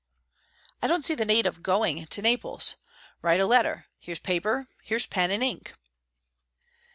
"I don't see the need of going to Naples. Write a letter. Here's paper; here's pen and ink."